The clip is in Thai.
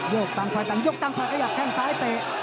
โยกตั้งควายต่างโยกตั้งควายต่างอยากแก้งซ้ายเตะ